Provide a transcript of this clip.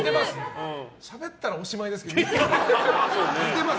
しゃべったらおしまいですけど。